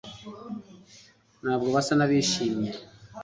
ntabwo basa n'abishimye